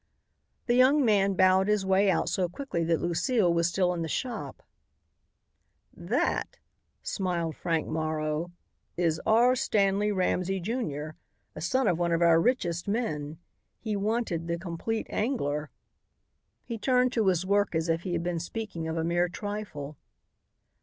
The young man bowed his way out so quickly that Lucile was still in the shop. "That," smiled Frank Morrow, "is R. Stanley Ramsey, Jr., a son of one of our richest men. He wanted 'The Compleat Angler.'" He turned to his work as if he had been speaking of a mere trifle.